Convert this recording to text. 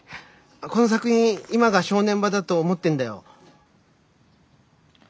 この作品今が正念場だと思ってんだよ。